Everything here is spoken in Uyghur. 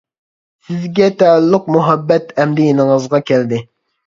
-سىزگە تەئەللۇق مۇھەببەت ئەمدى يېنىڭىزغا كەلدى.